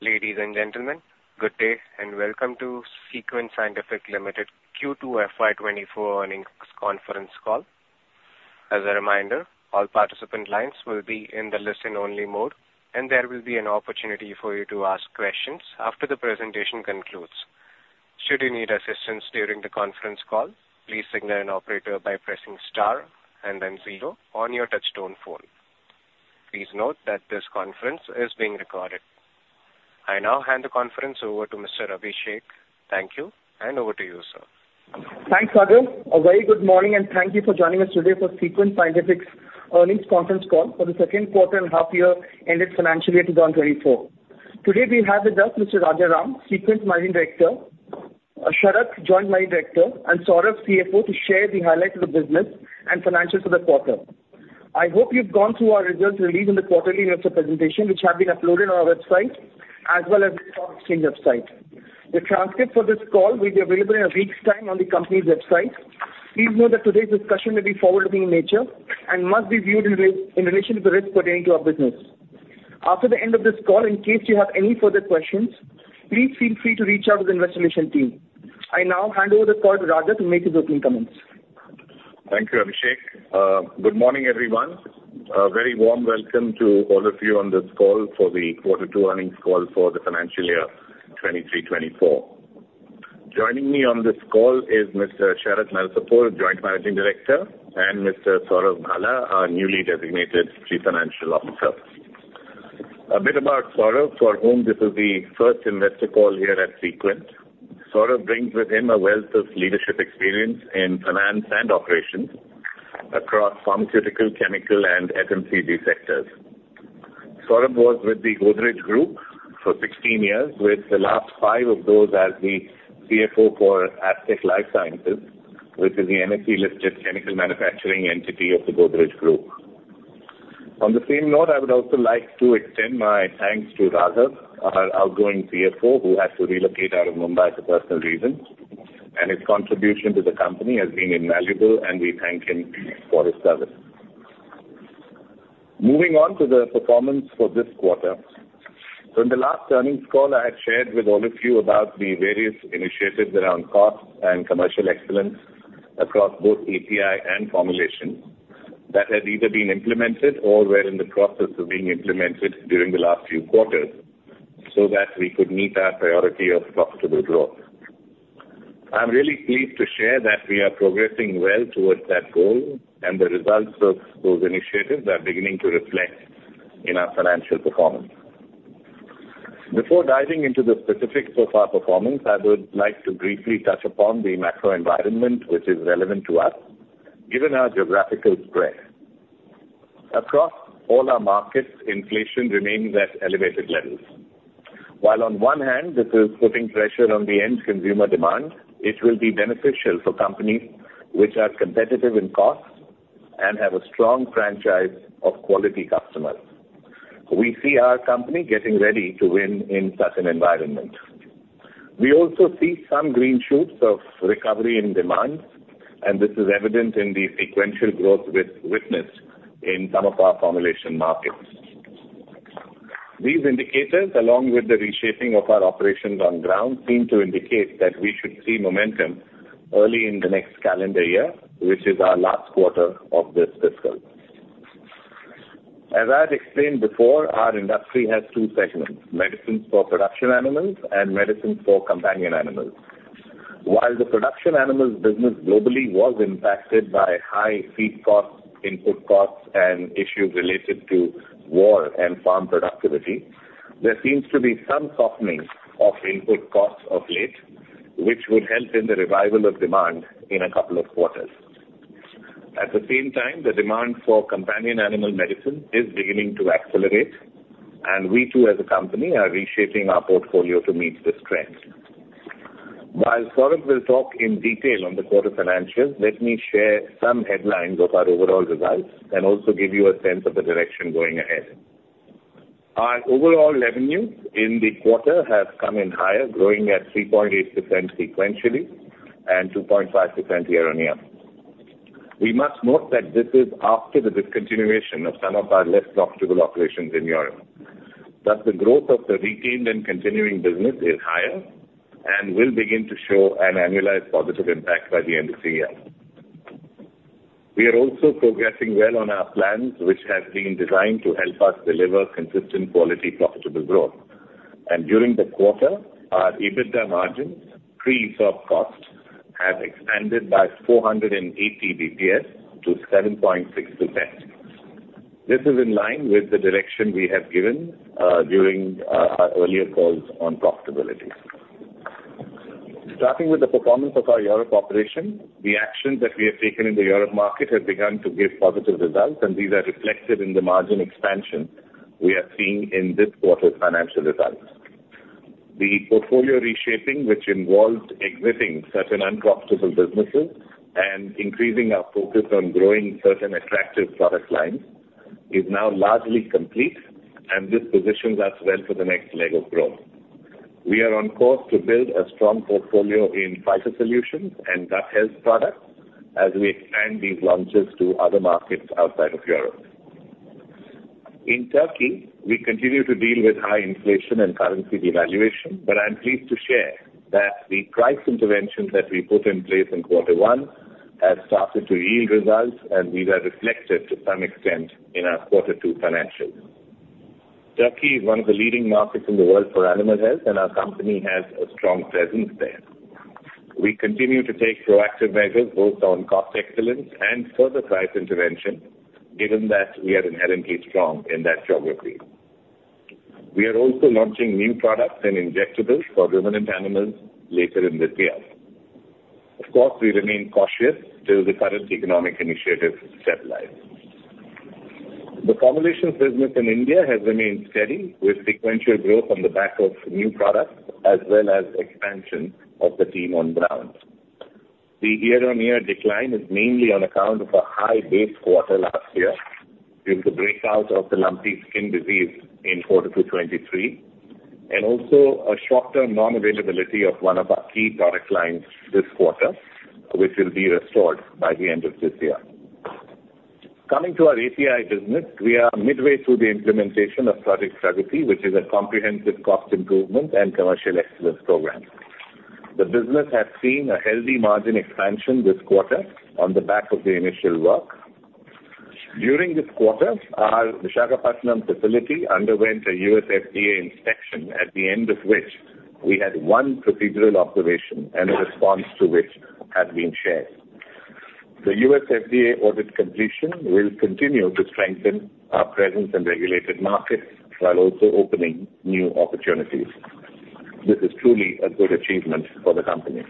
Ladies and gentlemen, good day and welcome to Sequent Scientific Limited Q2 FY 2024 earnings conference call. As a reminder, all participant lines will be in the listen-only mode, and there will be an opportunity for you to ask questions after the presentation concludes. Should you need assistance during the conference call, please signal an operator by pressing star and then zero on your touch-tone phone. Please note that this conference is being recorded. I now hand the conference over to Mr. Abhishek. Thank you, and over to you, sir. Thanks, Sagar. A very good morning and thank you for joining us today for Sequent Scientific earnings conference call for the second quarter and half year ended FY 2024. Today we have with us Rajaram Narayanan, Sequent Managing Director, Sharat Narasapur, Joint Managing Director, and Saurav Bhala, CFO to share the highlights of the business and financials for the quarter. I hope you've gone through our results released in the quarterly investor presentation, which have been uploaded on our website as well as the stock exchange website. The transcript for this call will be available in a week's time on the company's website. Please note that today's discussion will be forward-looking in nature and must be viewed in relation to the risks pertaining to our business. After the end of this call, in case you have any further questions, please feel free to reach out to the investor relations team. I now hand over the call to Raja to make his opening comments. Thank you, Abhishek. Good morning, everyone. A very warm welcome to all of you on this call for the quarter two earnings call for the financial year 2023, 2024. Joining me on this call is Mr. Sharat Narasapur, Joint Managing Director, and Mr. Saurav Bhala, our newly designated Chief Financial Officer. A bit about Saurav, for whom this is the first investor call here at Sequent. Saurav brings with him a wealth of leadership experience in finance and operations across pharmaceutical, chemical, and FMCG sectors. Saurav was with the Godrej Group for 16 years, with the last five of those as the CFO for Astec LifeSciences, which is the NSE-listed chemical manufacturing entity of the Godrej Group. On the same note, I would also like to extend my thanks to Raghav, our outgoing CFO, who had to relocate out of Mumbai for personal reasons. His contribution to the company has been invaluable, and we thank him for his service. Moving on to the performance for this quarter. In the last earnings call, I had shared with all of you about the various initiatives around cost and commercial excellence across both API and formulation that had either been implemented or were in the process of being implemented during the last few quarters so that we could meet our priority of profitable growth. I am really pleased to share that we are progressing well towards that goal, and the results of those initiatives are beginning to reflect in our financial performance. Before diving into the specifics of our performance, I would like to briefly touch upon the macro environment, which is relevant to us given our geographical spread. Across all our markets, inflation remains at elevated levels. While on one hand, this is putting pressure on the end consumer demand, it will be beneficial for companies which are competitive in cost and have a strong franchise of quality customers. We see our company getting ready to win in such an environment. We also see some green shoots of recovery in demand, and this is evident in the sequential growth we've witnessed in some of our formulation markets. These indicators, along with the reshaping of our operations on ground, seem to indicate that we should see momentum early in the next calendar year, which is our last quarter of this fiscal. As I've explained before, our industry has two segments, medicines for production animals and medicines for companion animals. While the production animals business globally was impacted by high feed costs, input costs, and issues related to war and farm productivity, there seems to be some softening of input costs of late, which would help in the revival of demand in a couple of quarters. At the same time, the demand for companion animal medicine is beginning to accelerate, and we too, as a company, are reshaping our portfolio to meet this trend. While Saurav will talk in detail on the quarter financials, let me share some headlines of our overall results and also give you a sense of the direction going ahead. Our overall revenue in the quarter has come in higher, growing at 3.8% sequentially and 2.5% year-on-year. We must note that this is after the discontinuation of some of our less profitable operations in Europe. Thus, the growth of the retained and continuing business is higher and will begin to show an annualized positive impact by the end of the year. We are also progressing well on our plans, which have been designed to help us deliver consistent quality, profitable growth. During the quarter, our EBITDA margins, pre-sub cost, have expanded by 480 BPS to 7.6%. This is in line with the direction we have given during our earlier calls on profitability. Starting with the performance of our Europe operation, the actions that we have taken in the Europe market have begun to give positive results, and these are reflected in the margin expansion we are seeing in this quarter's financial results. The portfolio reshaping, which involved exiting certain unprofitable businesses and increasing our focus on growing certain attractive product lines, is now largely complete. This positions us well for the next leg of growth. We are on course to build a strong portfolio in phytosolutions and gut health products as we expand these launches to other markets outside of Europe. In Turkey, we continue to deal with high inflation and currency devaluation, but I'm pleased to share that the price interventions that we put in place in quarter one have started to yield results, and these are reflected to some extent in our quarter two financials. Turkey is one of the leading markets in the world for animal health, and our company has a strong presence there. We continue to take proactive measures both on cost excellence and further price intervention, given that we are inherently strong in that geography. We are also launching new products and injectables for ruminant animals later in this year. Of course, we remain cautious till the current economic initiatives stabilize. The formulations business in India has remained steady, with sequential growth on the back of new products as well as expansion of the team on ground. The year-on-year decline is mainly on account of a high base quarter last year due to breakout of the lumpy skin disease in quarter two 2023, and also a short-term non-availability of one of our key product lines this quarter, which will be restored by the end of this year. Coming to our API business, we are midway through the implementation of Project Pragati, which is a comprehensive cost improvement and commercial excellence program. The business has seen a healthy margin expansion this quarter on the back of the initial work. During this quarter, our Visakhapatnam facility underwent a U.S. FDA inspection, at the end of which we had one procedural observation and a response to which has been shared. The U.S. FDA audit completion will continue to strengthen our presence in regulated markets while also opening new opportunities. This is truly a good achievement for the company.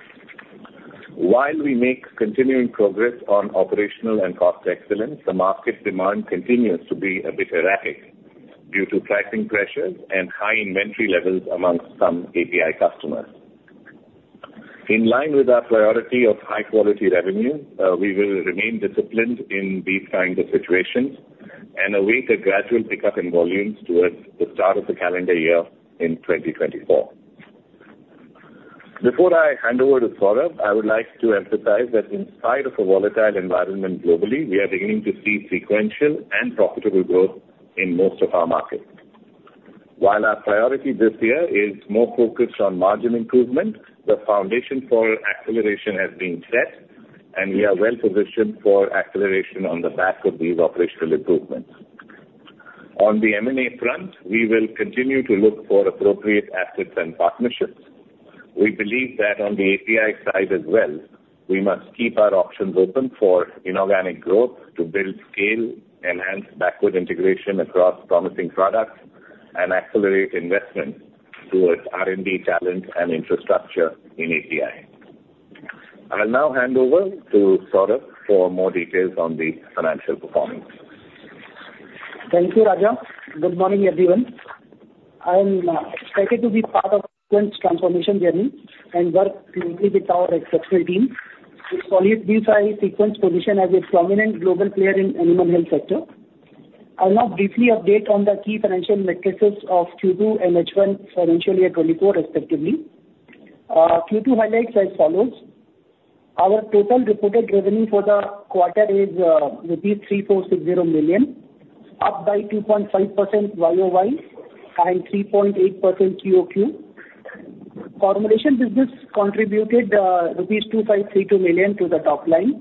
While we make continuing progress on operational and cost excellence, the market demand continues to be a bit erratic due to pricing pressures and high inventory levels amongst some API customers. In line with our priority of high-quality revenue, we will remain disciplined in these kinds of situations and await a gradual pickup in volumes towards the start of the calendar year in 2024. Before I hand over to Saurav, I would like to emphasize that in spite of a volatile environment globally, we are beginning to see sequential and profitable growth in most of our markets. While our priority this year is more focused on margin improvement, the foundation for acceleration has been set, and we are well-positioned for acceleration on the back of these operational improvements. On the M&A front, we will continue to look for appropriate assets and partnerships. We believe that on the API side as well, we must keep our options open for inorganic growth to build scale, enhance backward integration across promising products, and accelerate investment towards R&D talent and infrastructure in API. I'll now hand over to Saurav for more details on the financial performance. Thank you, Raja. Good morning, everyone. I'm excited to be part of Sequent's transformation journey and work closely with our exceptional team, whose solid views drive Sequent's position as a prominent global player in animal health sector. I'll now briefly update on the key financial metrics of Q2 and H1 financials at 2024 respectively. Q2 highlights as follows. Our total reported revenue for the quarter is rupees 3,460 million, up by 2.5% YoY and 3.8% QoQ. Formulation business contributed rupees 2,532 million to the top line,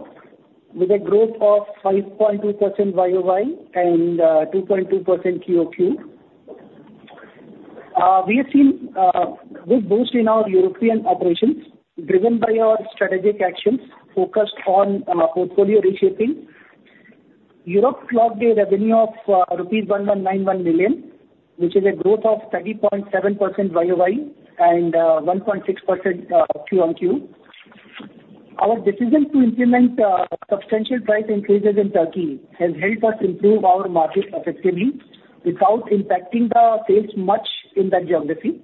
with a growth of 5.2% YoY and 2.2% QoQ. We have seen a good boost in our European operations driven by our strategic actions focused on portfolio reshaping. Europe clocked a revenue of rupees 1,191 million, which is a growth of 30.7% YoY and 1.6% QoQ. Our decision to implement substantial price increases in Turkey has helped us improve our margins effectively without impacting the sales much in that geography.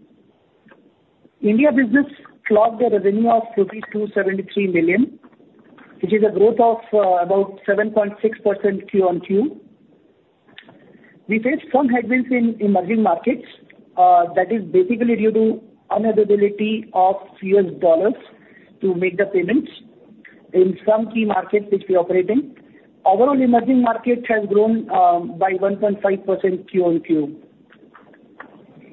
India business clocked a revenue of 273 million, which is a growth of about 7.6% QoQ. We faced some headwinds in emerging markets, that is basically due to unavailability of US dollars to make the payments in some key markets which we operate in. Overall, emerging markets has grown by 1.5% QoQ.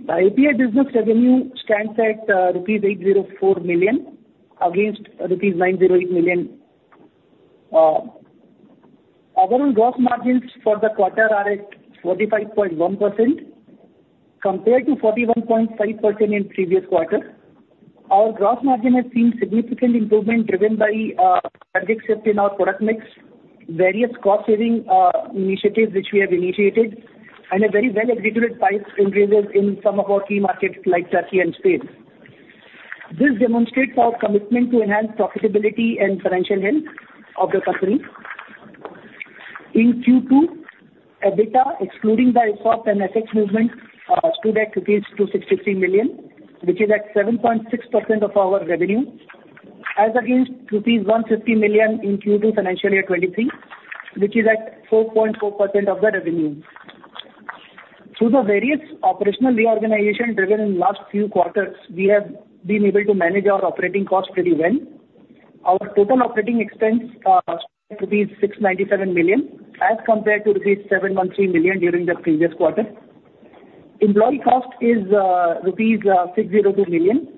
Our API business revenue stands at rupees 804 million against rupees 908 million. Overall gross margins for the quarter are at 45.1% compared to 41.5% in previous quarter. Our gross margin has seen significant improvement driven by product shift in our product mix, various cost saving initiatives which we have initiated, and a very well-executed price increases in some of our key markets like Turkey and Spain. This demonstrates our commitment to enhance profitability and financial health of the company. In Q2, EBITDA, excluding the ESOP and FX movement, stood at 263 million, which is at 7.6% of our revenue. As against rupees 150 million in Q2 FY 2023, which is at 4.4% of the revenue. Through the various operational reorganization driven in last few quarters, we have been able to manage our operating cost pretty well. Our total operating expense is rupees 697 million as compared to rupees 713 million during the previous quarter. Employee cost is rupees 602 million,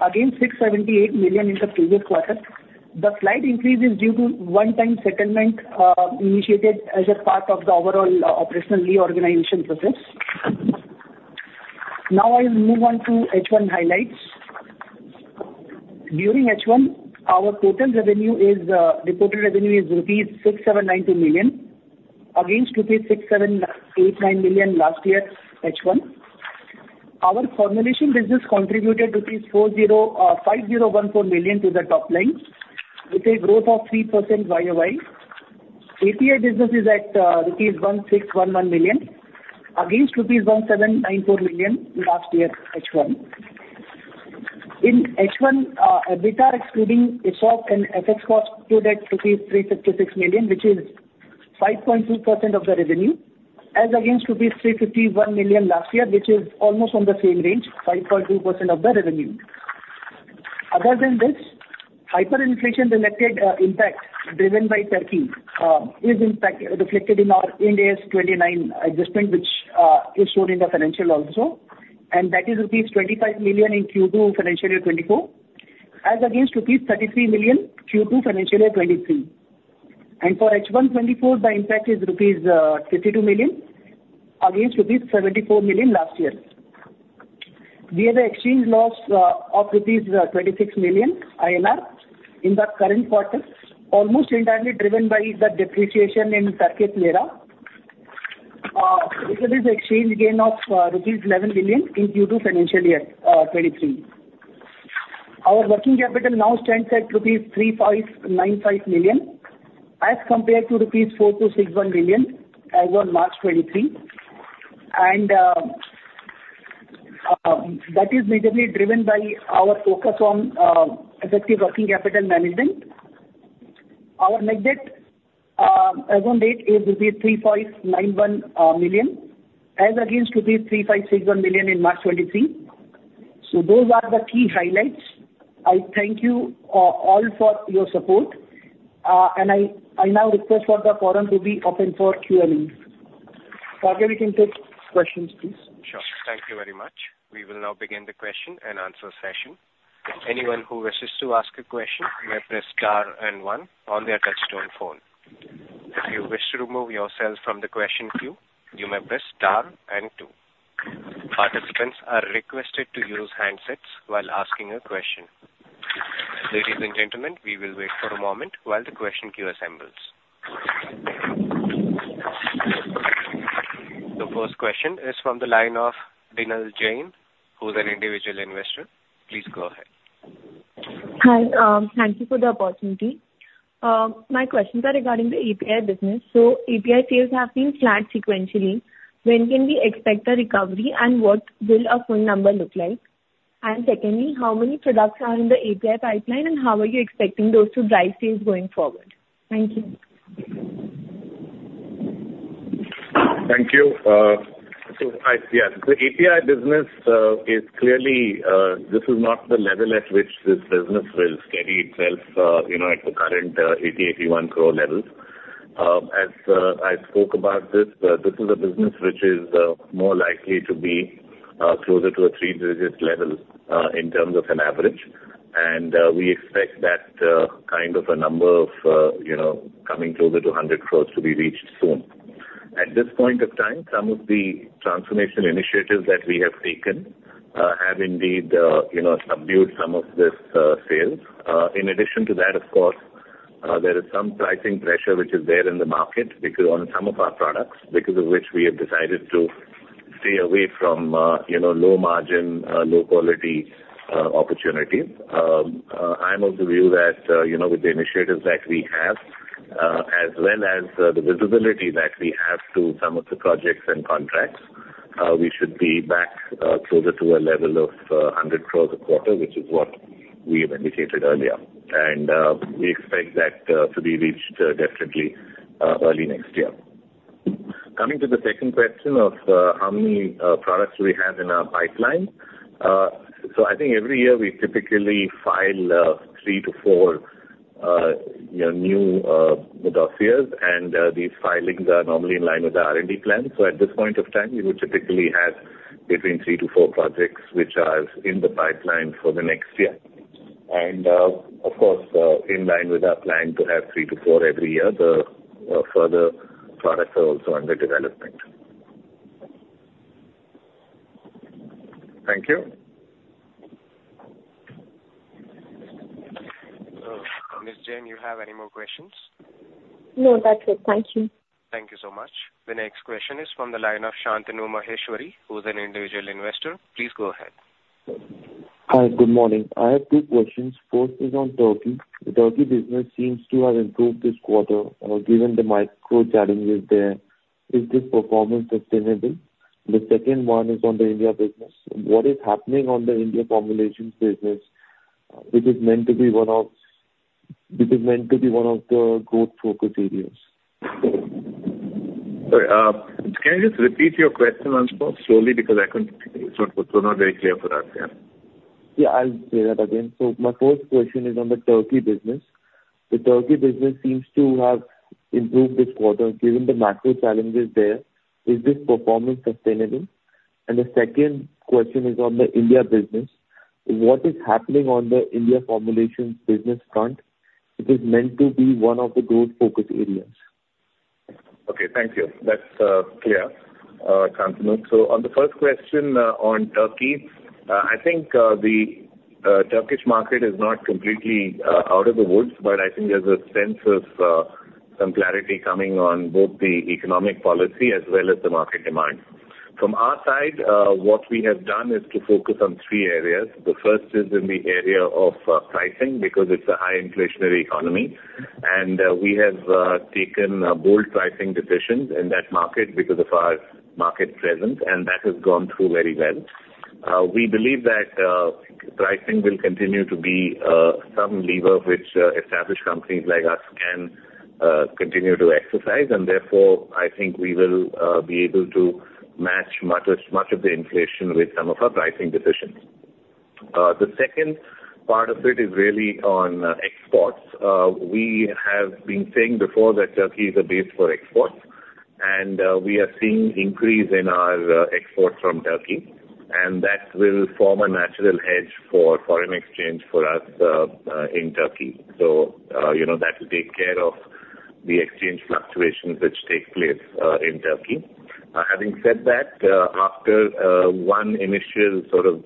against 678 million in the previous quarter. The slight increase is due to one-time settlement initiated as a part of the overall operational reorganization process. I'll move on to H1 highlights. During H1, our total reported revenue is rupees 6,792 million against rupees 6,789 million last year H1. Our formulation business contributed 5,014 million to the top line. It is a growth of 3% YoY. API business is at rupees 1,611 million against rupees 1,794 million last year H1. In H1, EBITDA excluding ESOP and FX costs stood at rupees 336 million, which is 5.2% of the revenue as against rupees 351 million last year, which is almost on the same range, 5.2% of the revenue. Hyperinflation selected impact driven by Turkey is reflected in our Ind AS 29 adjustment, which is shown in the financial also, and that is rupees 25 million in Q2 FY 2024 as against rupees 33 million Q2 FY 2023. For H1 2024, the impact is rupees 62 million against rupees 74 million last year. We have an exchange loss of rupees 26 million in the current quarter, almost entirely driven by the depreciation in Turkish lira. This is exchange gain of rupees 11 million in Q2 FY 2023. Our working capital now stands at rupees 3,595 million as compared to rupees 4,601 million as of March 2023. That is majorly driven by our focus on effective working capital management. Our net debt as on date is rupees 3,591 million as against rupees 3,561 million in March 2023. Those are the key highlights. I thank you all for your support, and I now request for the forum to be open for Q&A. Parker, we can take questions, please. Sure. Thank you very much. We will now begin the question-and-answer session. Anyone who wishes to ask a question may press star and one on their touchtone phone. If you wish to remove yourself from the question queue, you may press star and two. Participants are requested to use handsets while asking a question. Ladies and gentlemen, we will wait for a moment while the question queue assembles. The first question is from the line of Vimal Jain, who's an individual investor. Please go ahead. Hi. Thank you for the opportunity. My questions are regarding the API business. API sales have been flat sequentially. When can we expect a recovery, what will our full number look like? Secondly, how many products are in the API pipeline, and how are you expecting those to drive sales going forward? Thank you. Thank you. API business is clearly not the level at which this business will steady itself at the current 80 crore-81 crore level. As I spoke about this is a business which is more likely to be closer to a three-digit level in terms of an average. We expect that kind of a number of coming closer to 100 crore to be reached soon. At this point of time, some of the transformation initiatives that we have taken have indeed subdued some of this sales. In addition to that, of course, there is some pricing pressure which is there in the market on some of our products, because of which we have decided to stay away from low margin, low quality opportunity. I'm of the view that with the initiatives that we have, as well as the visibility that we have to some of the projects and contracts, we should be back closer to a level of 100 crore the quarter, which is what we have indicated earlier. We expect that to be reached definitely early next year. Coming to the second question of how many products we have in our pipeline. I think every year we typically file three to four new dossiers, and these filings are normally in line with R&D plans. At this point of time, we would typically have between three to four projects which are in the pipeline for the next year. Of course, in line with our plan to have three to four every year, further products are also under development. Thank you. Mr. Jain, you have any more questions? No, that's it. Thank you. Thank you so much. The next question is from the line of Shantanu Maheshwari, who is an individual investor. Please go ahead. Hi, good morning. I have two questions. First is on Turkey. The Turkey business seems to have improved this quarter or given the micro challenges there. Is this performance sustainable? The second one is on the India business. What is happening on the India formulations business? It is meant to be one of the growth focus areas. Sorry. Can you just repeat your question once more slowly, because it's not very clear for us, yeah? Yeah, I'll say that again. My first question is on the Turkey business. The Turkey business seems to have improved this quarter, given the macro challenges there. Is this performance sustainable? The second question is on the India business. What is happening on the India formulations business front? It is meant to be one of the growth focus areas. Thank you. That's clear, Shantanu. On the first question on Turkey, I think the Turkish market is not completely out of the woods, but I think there's a sense of some clarity coming on both the economic policy as well as the market demand. From our side, what we have done is to focus on three areas. The first is in the area of pricing, because it's a high inflationary economy, and we have taken bold pricing decisions in that market because of our market presence, and that has gone through very well. We believe that pricing will continue to be some lever which established companies like us can continue to exercise, and therefore, I think we will be able to match much of the inflation with some of our pricing decisions. The second part of it is really on exports. We have been saying before that Turkey is a base for exports, and we are seeing increase in our exports from Turkey, and that will form a natural hedge for foreign exchange for us in Turkey. That will take care of the exchange fluctuations which take place in Turkey. Having said that, after one initial sort of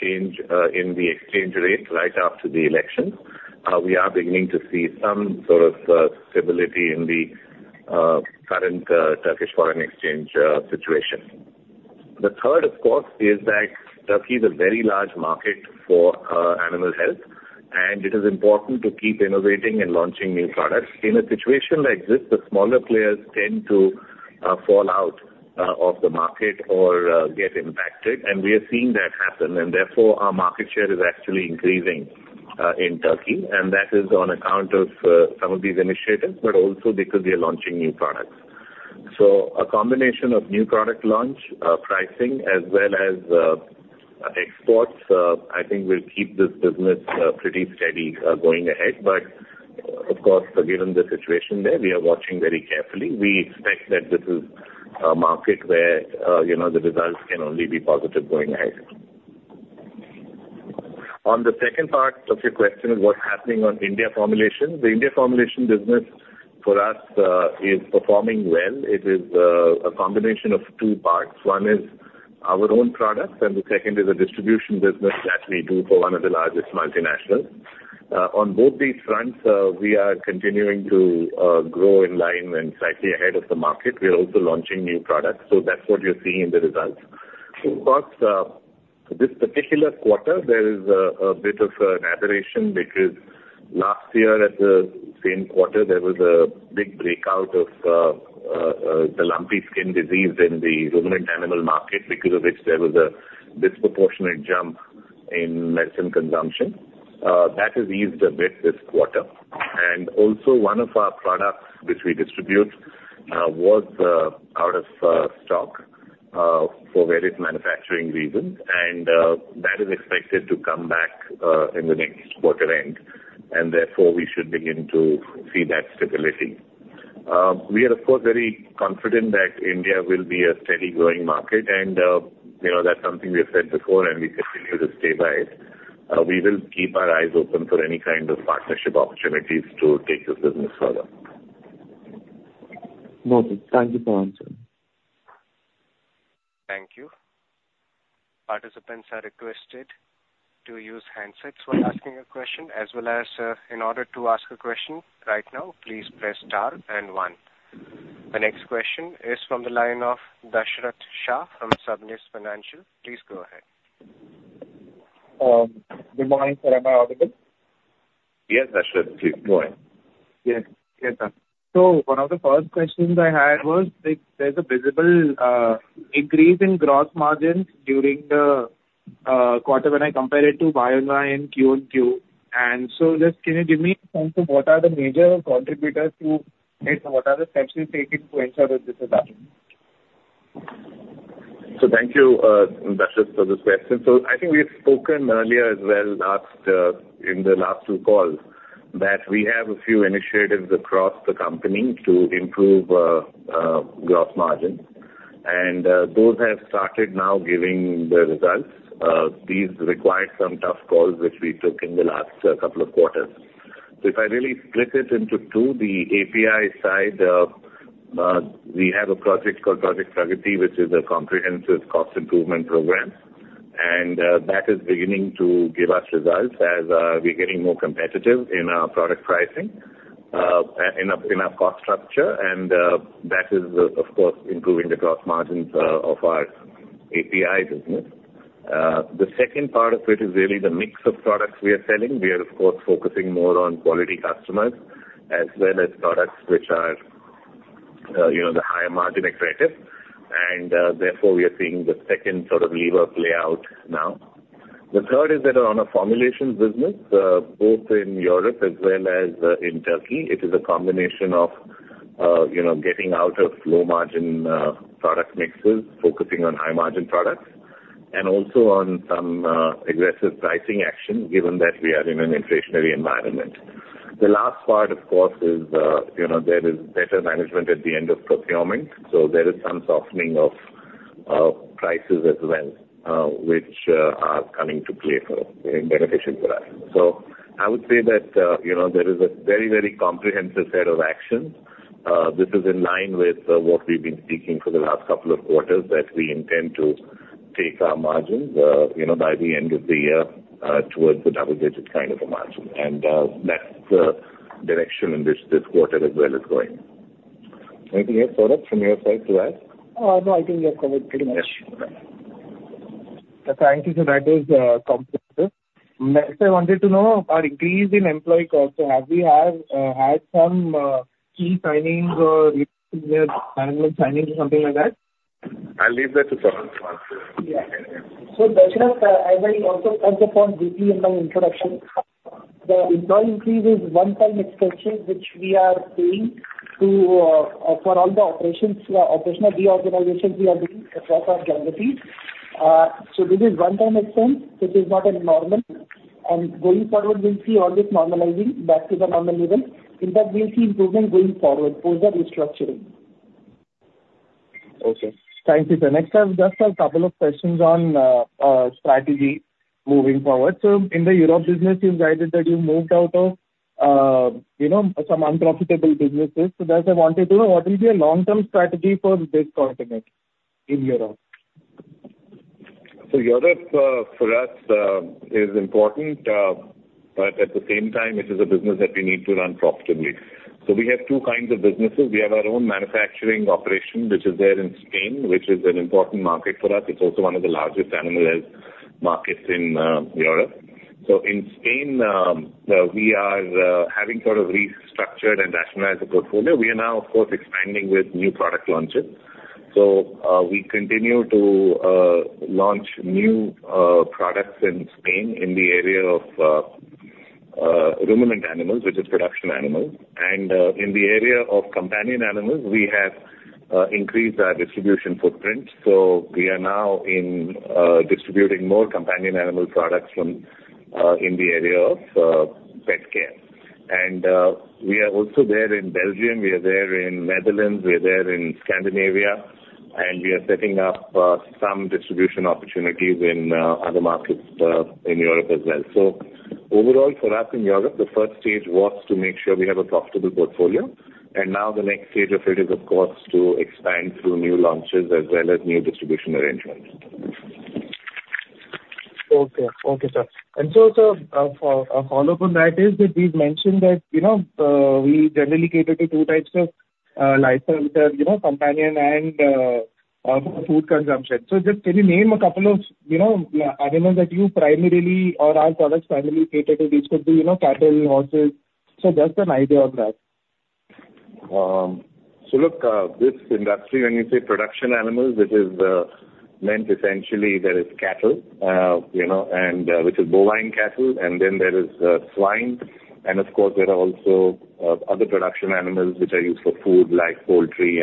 change in the exchange rate right after the election, we are beginning to see some sort of stability in the current Turkish foreign exchange situation. The third, of course, is that Turkey is a very large market for animal health, and it is important to keep innovating and launching new products. In a situation like this, the smaller players tend to fall out of the market or get impacted, and we are seeing that happen. Therefore, our market share is actually increasing in Turkey, and that is on account of some of these initiatives, but also because we are launching new products. A combination of new product launch, pricing, as well as exports, I think will keep this business pretty steady going ahead. Of course, given the situation there, we are watching very carefully. We expect that this is a market where the results can only be positive going ahead. On the second part of your question, what's happening on India formulation. The India formulation business for us is performing well. It is a combination of two parts. One is our own products, and the second is a distribution business that we do for one of the largest multinationals. On both these fronts, we are continuing to grow in line and slightly ahead of the market. We are also launching new products, so that's what you're seeing in the results. Of course, this particular quarter, there is a bit of an aberration because last year at the same quarter, there was a big breakout of the lumpy skin disease in the ruminant animal market, because of which there was a disproportionate jump in medicine consumption. That has eased a bit this quarter. Also one of our products which we distribute was out of stock for various manufacturing reasons, and that is expected to come back in the next quarter end, and therefore, we should begin to see that stability. We are, of course, very confident that India will be a steady growing market, and that's something we have said before, and we continue to stay by it. We will keep our eyes open for any kind of partnership opportunities to take this business further. Wonderful. Thank you for answering. Thank you. Participants are requested to use handsets when asking a question as well as in order to ask a question right now, please press star and one. The next question is from the line of Darshat Shah from Sabnis Financial. Please go ahead. Good morning, sir. Am I audible? Yes, Darshat. Please go ahead. Yes. Sure, sir. One of the first questions I had was, there's a visible increase in gross margins during the quarter when I compare it to YoY and QoQ. Can you give me a sense of what are the major contributors to it and what are the steps you're taking to ensure that this is happening? Thank you, Darshat, for this question. I think we've spoken earlier as well in the last two calls, that we have a few initiatives across the company to improve gross margin, and those have started now giving the results. These required some tough calls, which we took in the last couple of quarters. If I really split it into two, the API side, we have a project called Project Pragati, which is a comprehensive cost improvement program, and that is beginning to give us results as we're getting more competitive in our product pricing, in our cost structure, and that is, of course, improving the gross margins of our API business. The second part of it is really the mix of products we are selling. We are, of course, focusing more on quality customers as well as products which are the higher margin accretive and therefore we are seeing the second lever play out now. The third is that on a formulations business, both in Europe as well as in Turkey, it is a combination of getting out of low margin product mixes, focusing on high margin products and also on some aggressive pricing action, given that we are in an inflationary environment. The last part, of course, is there is better management at the end of procurement, so there is some softening of prices as well, which are coming to play for, in beneficial for us. I would say that there is a very comprehensive set of actions. This is in line with what we've been speaking for the last couple of quarters, that we intend to take our margins, by the end of the year, towards the double-digit kind of a margin. That's the direction in which this quarter as well is going. Anything else, Saurav, from your side to add? No, I think you have covered pretty much. Yes. Thank you, sir. That was comprehensive. Next, I wanted to know our increase in employee cost. Have we had some key signings or senior management signings or something like that? I'll leave that to Saurav to answer. Yeah. Darshat as I also mentioned briefly in my introduction, the employee increase is one-time expenditure which we are paying for all the operational re-organizations we are doing across our geography. This is one-time expense. This is not normal, and going forward, we'll see all this normalizing back to the normal level. In fact, we'll see improvement going forward post our restructuring. Okay. Thank you, sir. I've just a couple of questions on strategy moving forward. In the Europe business, you've guided that you moved out of some unprofitable businesses. just I wanted to know, what will be a long-term strategy for this continent in Europe? Europe, for us, is important. At the same time, it is a business that we need to run profitably. We have two kinds of businesses. We have our own manufacturing operation, which is there in Spain, which is an important market for us. It is also one of the largest animal health markets in Europe. In Spain, having sort of restructured and rationalized the portfolio, we are now, of course, expanding with new product launches. We continue to launch new products in Spain in the area of ruminant animals, which is production animals. In the area of companion animals, we have increased our distribution footprint. We are now distributing more companion animal products in the area of pet care. We are also there in Belgium, we are there in Netherlands, we are there in Scandinavia, and we are setting up some distribution opportunities in other markets in Europe as well. Overall for us in Europe, the first stage was to make sure we have a profitable portfolio, and now the next stage of it is of course, to expand through new launches as well as new distribution arrangements. Okay. Okay, sir. Sir, a follow-up on that is that we've mentioned that we generally cater to two types of lifecycles, companion and food consumption. Just can you name a couple of animals that you primarily or our products primarily cater to? These could be cattle, horses. Just an idea of that. Look, this industry, when you say production animals, which is meant essentially there is cattle, which is bovine cattle, and then there is swine. Of course, there are also other production animals which are used for food like poultry.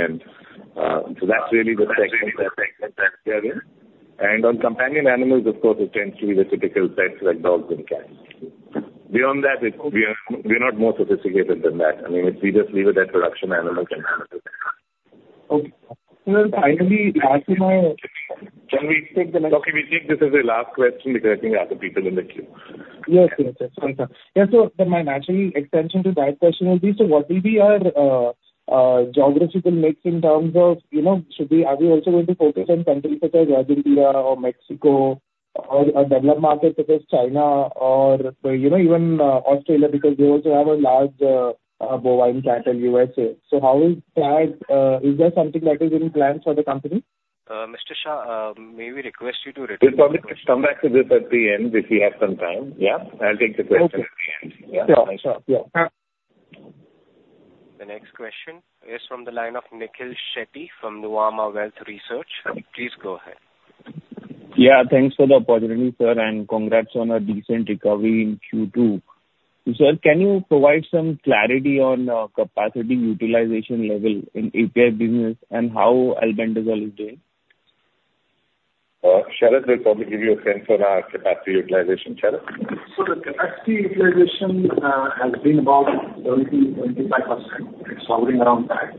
That's really the segment that we are in. On companion animals, of course, it tends to be the typical pets like dogs and cats. Beyond that, we're not more sophisticated than that. I mean, we just leave it at production animals and companion animals. Okay. Sir, Can we take this as a last question because I think other people in the queue. Yes, sir. Sorry, sir. My natural extension to that question would be, what will be our geographical mix in terms of, are we also going to focus on countries such as Argentina or Mexico or other markets such as China or even Australia because they also have a large bovine cattle U.S. How is that? Is that something that is in plan for the company? Mr. Shah, may we request you to repeat the question. We'll probably just come back to this at the end if we have some time, yeah? I'll take the question at the end. Okay. Yeah. Sure. Yeah. The next question is from the line of Nikhil Shetty from Nuvama Wealth Research. Please go ahead. Yeah, thanks for the opportunity, sir, and congrats on a decent recovery in Q2. Sir, can you provide some clarity on capacity utilization level in API business and how albendazole is doing? Sharat will probably give you a sense on our capacity utilization. Sharat. The capacity utilization has been about 70%-75%. It's hovering around that.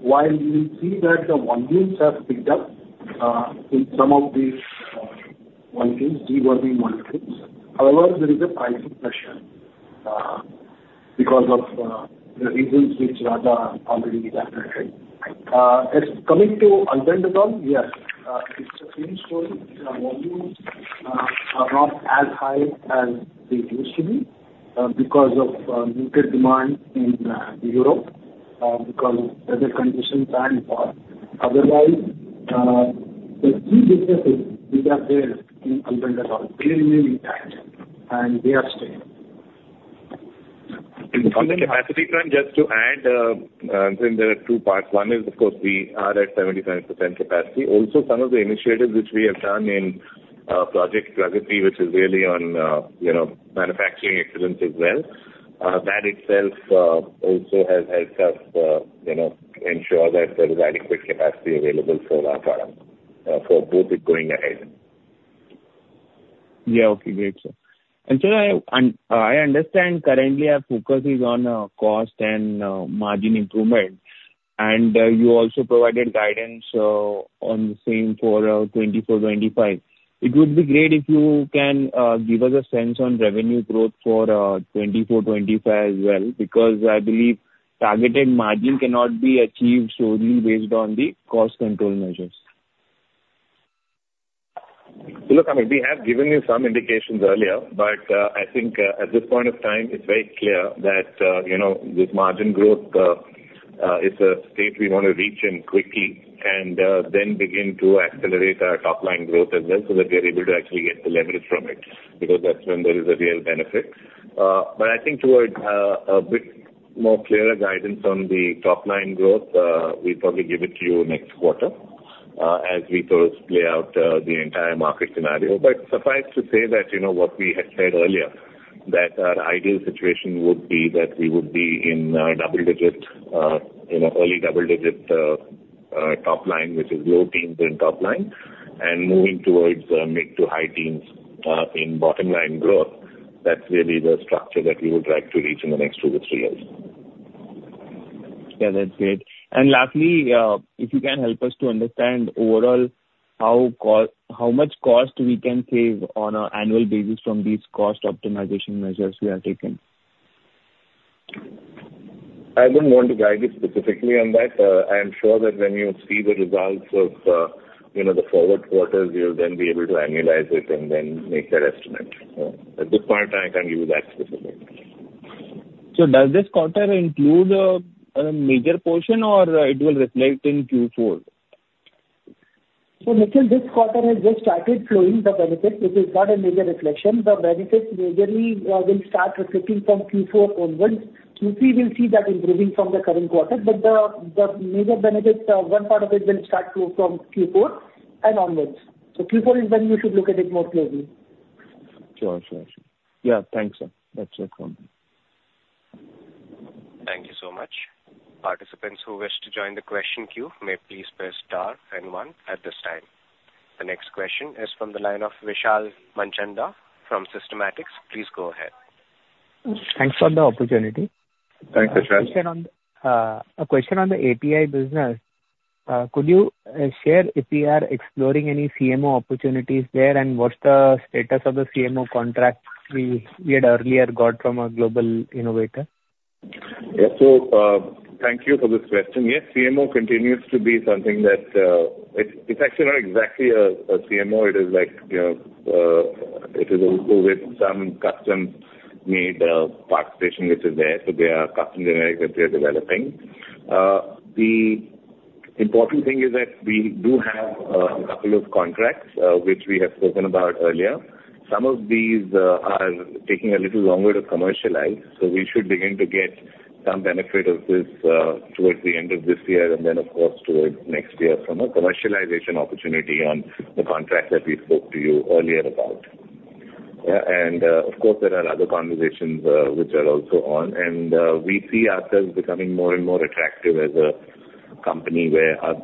While we see that the volumes have picked up, in some of these molecules, deworming molecules. However, there is a pricing pressure because of the reasons which Dr. Raja already elaborated. Coming to albendazole, yes. It's the same story. The volumes are not as high as they used to be because of muted demand in Europe, because weather conditions. Otherwise, the key differences we have built in albendazole are really, really intact and they are staying. On the capacity front, just to add, there are two parts. One is, of course, we are at 75% capacity. Also some of the initiatives which we have done in Project Pragati, which is really on manufacturing excellence as well, that itself also has helped us ensure that there is adequate capacity available for Laparum for both it going ahead. Yeah, okay. Great, sir. Sir, I understand currently our focus is on cost and margin improvement, and you also provided guidance on the same for 2024-2025. It would be great if you can give us a sense on revenue growth for 2024-2025 as well, because I believe targeted margin cannot be achieved solely based on the cost control measures. Look, we have given you some indications earlier, but I think at this point of time, it's very clear that this margin growth is a state we want to reach in quickly and then begin to accelerate our top-line growth as well so that we are able to actually get the leverage from it. Because that's when there is a real benefit. I think towards a bit more clearer guidance on the top-line growth, we'll probably give it to you next quarter, as we first play out the entire market scenario. Suffice to say that, what we had said earlier, that our ideal situation would be that we would be in early double-digit top-line, which is low teens in top-line, and moving towards mid to high teens in bottom-line growth. That's really the structure that we would like to reach in the next two to three years. Yeah, that's great. Lastly, if you can help us to understand overall how much cost we can save on an annual basis from these cost optimization measures we are taking. I wouldn't want to guide you specifically on that. I am sure that when you see the results of the forward quarters, you'll then be able to annualize it and then make that estimate. At this point, I can't give you that specifically. Does this quarter include a major portion or it will reflect in Q4? Nikhil, this quarter has just started flowing the benefit, which is not a major reflection. The benefits majorly will start reflecting from Q4 onwards. Q3 will see that improving from the current quarter, but the major benefits, one part of it will start to from Q4 and onwards. Q4 is when you should look at it more closely. Sure. Yeah. Thanks, sir. That's it from me. Thank you so much. Participants who wish to join the question queue may please press star and one at this time. The next question is from the line of Vishal Manchanda from Systematix. Please go ahead. Thanks for the opportunity. Thanks, Vishal. A question on the API business. Could you share if we are exploring any CMO opportunities there, and what's the status of the CMO contract we had earlier got from a global innovator? Yeah. Thank you for this question. Yes, CMO continues to be something that. It's actually not exactly a CMO. It is also with some custom-made participation which is there, so they are custom generic that they're developing. The important thing is that we do have a couple of contracts, which we have spoken about earlier. Some of these are taking a little longer to commercialize, so we should begin to get some benefit of this towards the end of this year and then, of course, towards next year from a commercialization opportunity on the contract that we spoke to you earlier about. Of course, there are other conversations which are also on, and we see ourselves becoming more and more attractive as a company where a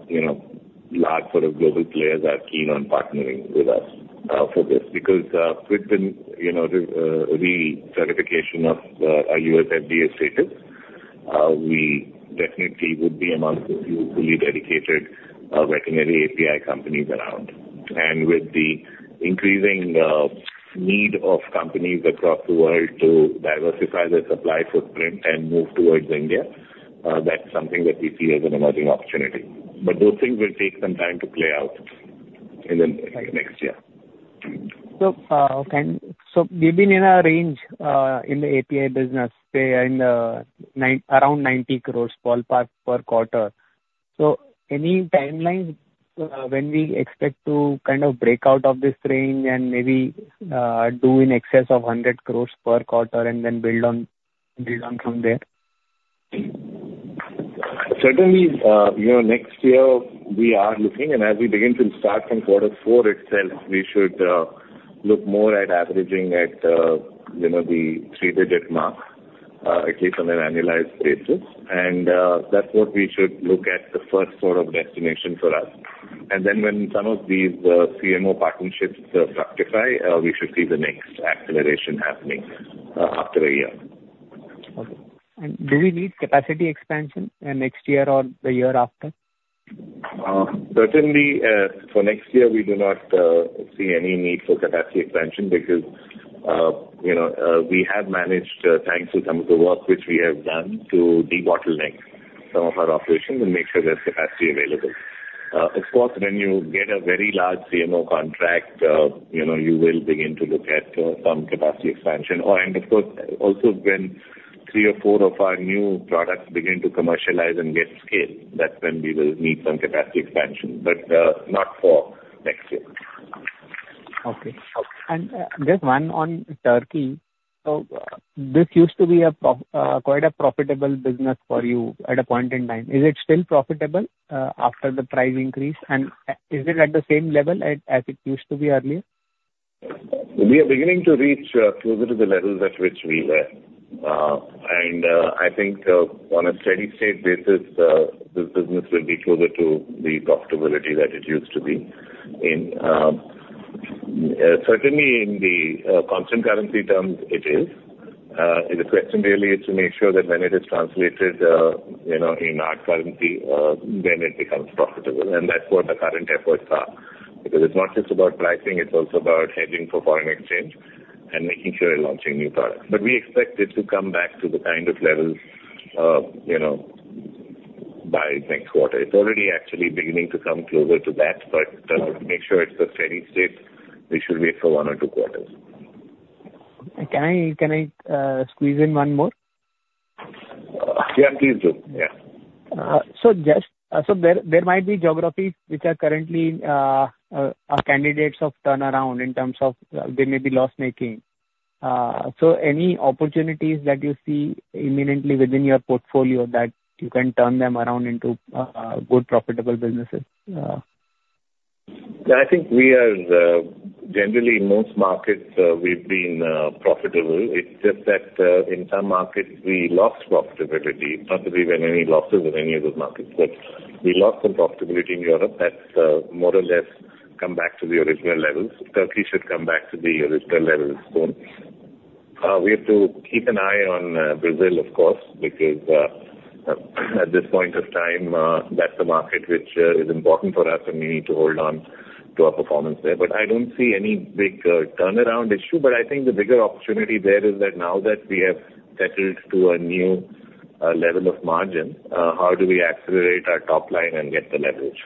large sort of global players are keen on partnering with us for this. Because with the recertification of our U.S. FDA status, we definitely would be amongst the few fully dedicated veterinary API companies around. With the increasing need of companies across the world to diversify their supply footprint and move towards India, that's something that we see as an emerging opportunity. Those things will take some time to play out in the next year. We've been in a range in the API business, say around 90 crores ballpark per quarter. Any timelines when we expect to kind of break out of this range and maybe do in excess of 100 crores per quarter and then build on from there? Certainly, next year we are looking, and as we begin to start from quarter four itself, we should look more at averaging at the three-digit mark, at least on an annualized basis. That's what we should look at the first sort of destination for us. Then when some of these CMO partnerships fructify, we should see the next acceleration happening after a year. Okay. Do we need capacity expansion next year or the year after? Certainly, for next year, we do not see any need for capacity expansion because we have managed, thanks to some of the work which we have done to debottleneck some of our operations and make sure there's capacity available. Of course, when you get a very large CMO contract, you will begin to look at some capacity expansion. Of course, also when three or four of our new products begin to commercialize and get scale, that's when we will need some capacity expansion, but not for next year. Okay. Just one on Turkey. This used to be quite a profitable business for you at a point in time. Is it still profitable after the price increase? Is it at the same level as it used to be earlier? We are beginning to reach closer to the levels at which we were. I think on a steady state basis, this business will be closer to the profitability that it used to be. Certainly in the constant currency terms, it is. The question really is to make sure that when it is translated in our currency, then it becomes profitable. That's what the current efforts are. Because it's not just about pricing, it's also about hedging for foreign exchange and making sure you're launching new products. We expect it to come back to the kind of levels by next quarter. It's already actually beginning to come closer to that, but to make sure it's a steady state, we should wait for one or two quarters. Can I squeeze in one more? Yeah, please do. Yeah. There might be geographies which are currently are candidates of turnaround in terms of they may be loss-making. Any opportunities that you see imminently within your portfolio that you can turn them around into good profitable businesses? I think generally, most markets, we've been profitable. It's just that in some markets we lost profitability. Not that we've had any losses in any of those markets, but we lost some profitability in Europe. That's more or less come back to the original levels. Turkey should come back to the original levels soon. We have to keep an eye on Brazil, of course, because at this point of time, that's the market which is important for us, and we need to hold on to our performance there. I don't see any big turnaround issue. I think the bigger opportunity there is that now that we have settled to a new level of margin, how do we accelerate our top line and get the leverage?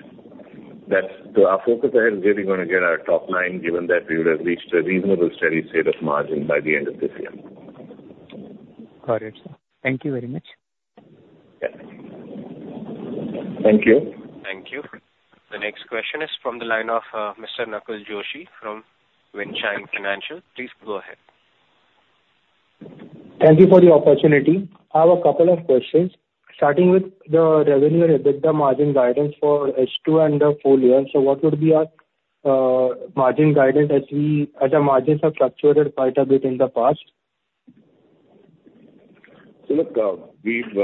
Our focus ahead is really going to get our top line, given that we would have reached a reasonable steady state of margin by the end of this year. Got it, sir. Thank you very much. Yeah. Thank you. Thank you. The next question is from the line of Mr. Nakul Joshi from Winshine Financials. Please go ahead. Thank you for the opportunity. I have a couple of questions starting with the revenue and EBITDA margin guidance for H2 and the full year. What would be our margin guidance as our margins have fluctuated quite a bit in the past? Look, we've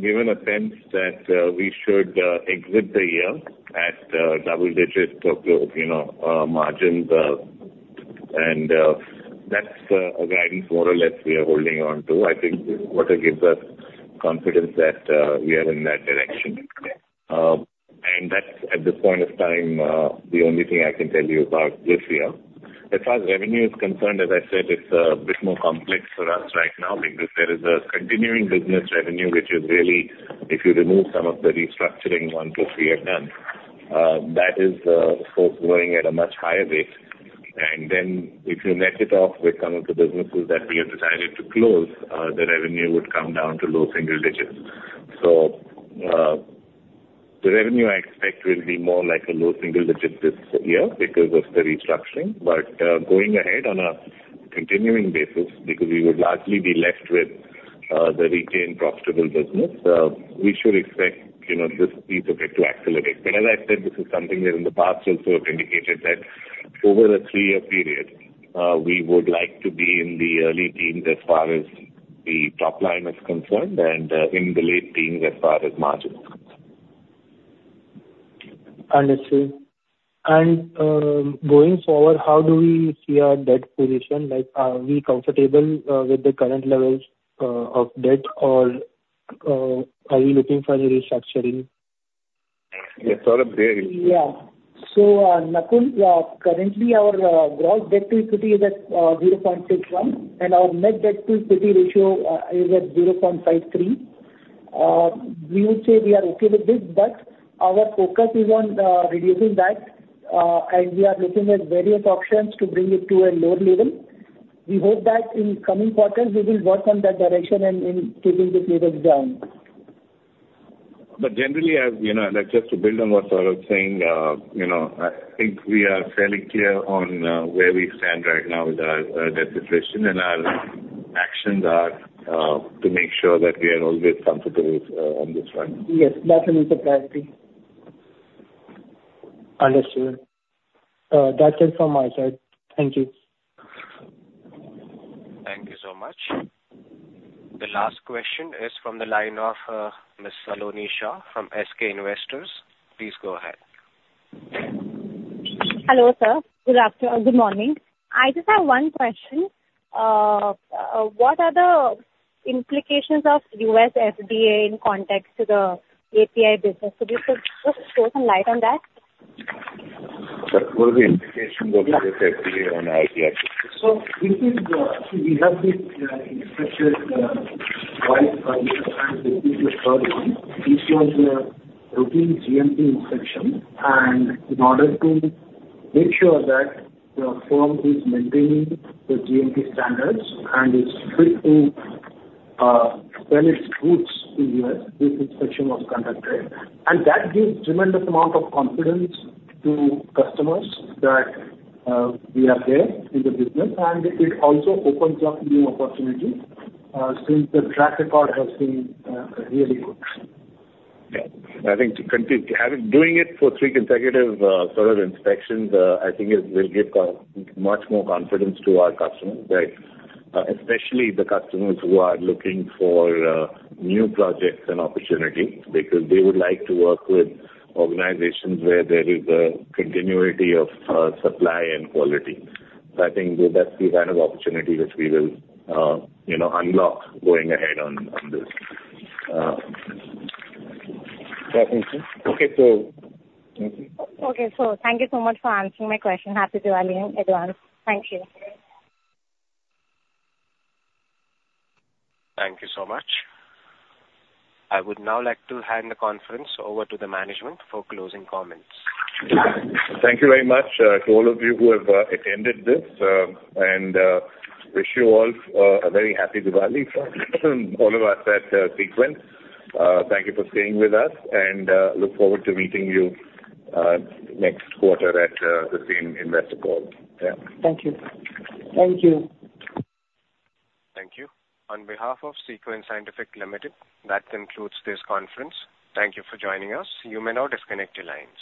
given a sense that we should exit the year at double digits of margins, That's a guidance more or less we are holding on to. I think the quarter gives us confidence that we are in that direction. That's at this point of time, the only thing I can tell you about this year. As far as revenue is concerned, as I said, it's a bit more complex for us right now because there is a continuing business revenue, which is really, if you remove some of the restructuring one, two, three have done, that is of course growing at a much higher rate. Then if you net it off with some of the businesses that we have decided to close, the revenue would come down to low single digits. The revenue I expect will be more like a low single digits this year because of the restructuring. Going ahead on a continuing basis, because we would largely be left with the retained profitable business, we should expect this piece of it to accelerate. As I said, this is something that in the past also have indicated that over a three-year period, we would like to be in the early teens as far as the top line is concerned and in the late teens as far as margins are concerned. Understood. Going forward, how do we see our debt position? Are we comfortable with the current levels of debt, or are we looking for any restructuring? Yeah, Saurav, there you go. Nakul, currently our gross debt to equity is at 0.61 and our net debt to equity ratio is at 0.53. We would say we are okay with this, but our focus is on reducing that, and we are looking at various options to bring it to a lower level. We hope that in coming quarters, we will work on that direction and in keeping these levels down. Generally, just to build on what Saurav's saying, I think we are fairly clear on where we stand right now with our debt situation, and our actions are to make sure that we are always comfortable on this front. Yes. That will be the priority. Understood. That's it from my side. Thank you. Thank you so much. The last question is from the line of Ms. Saloni Shah from SK Investors. Please go ahead. Hello, sir. Good morning. I just have one question. What are the implications of U.S. FDA in context to the API business? If you could just throw some light on that. Sharat, what were the implications of this FDA on API? We have this inspection twice a year which was a routine GMP inspection. In order to make sure that the firm is maintaining the GMP standards and is fit to sell its goods in U.S., this inspection was conducted. That gives tremendous amount of confidence to customers that we are there in the business, and it also opens up new opportunities, since the track record has been really good. Yeah. I think doing it for three consecutive inspections, I think it will give much more confidence to our customers. Especially the customers who are looking for new projects and opportunity, because they would like to work with organizations where there is a continuity of supply and quality. I think that's the kind of opportunity which we will unlock going ahead on this. Okay, thank you. Okay, sir. Thank you so much for answering my question. Happy Diwali in advance. Thank you. Thank you so much. I would now like to hand the conference over to the management for closing comments. Thank you very much to all of you who have attended this, and wish you all a very happy Diwali from all of us at Sequent. Thank you for staying with us, and look forward to meeting you next quarter at the same investor call. Yeah. Thank you. Thank you. Thank you. On behalf of Sequent Scientific Limited, that concludes this conference. Thank you for joining us. You may now disconnect your lines.